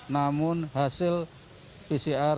namun hasil pcr